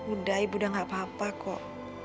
udah ibu udah gak apa apa kok